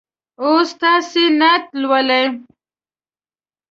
اوس تاسې نعت لولئ.